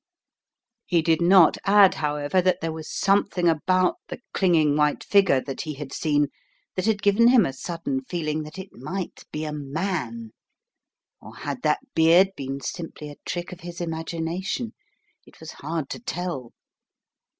He did not add, however, that there was something about the clinging white figure that he had seen that had given him a sudden feeling that it might be a man — or had that beard been simply L a trick of his imagination? It was hard to tell.